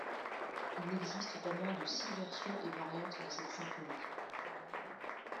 Il n'existe pas moins de six versions et variantes de cette symphonie.